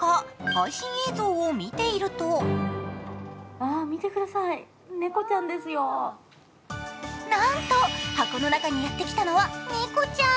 配信映像を見ているとなんと、箱の中にやってきたのは猫ちゃん。